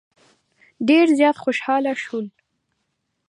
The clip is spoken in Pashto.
ډېر زیات خوشال شول.